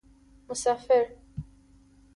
مسافر